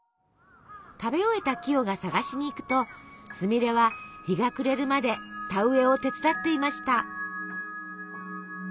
食べ終えたキヨが探しに行くとすみれは日が暮れるまで田植えを手伝っていました。